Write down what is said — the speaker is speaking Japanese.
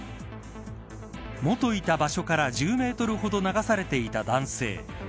元いた場所場所から１０メートルほど流されていた男性